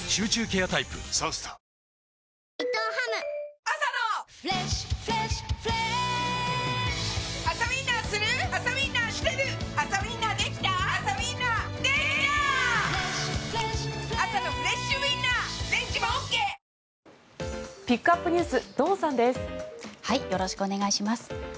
よろしくお願いします。